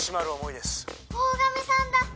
大神さんだ！